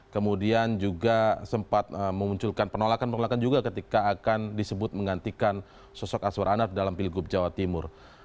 kemudian juga sempat memunculkan penolakan penolakan juga ketika akan disebut menggantikan sosok aswar anas dalam pilgub jawa timur